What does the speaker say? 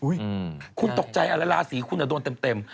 อุ๊ยคุณตกใจอาระลาศรีคุณจะโดนเต็ม